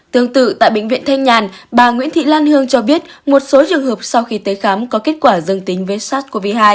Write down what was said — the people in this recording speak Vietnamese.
tương tự tại bệnh viện thanh nhàn bà nguyễn thị lan hương cho biết một số trường hợp sau khi tới khám có kết quả dương tính với sars cov hai